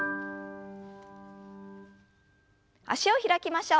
脚を開きましょう。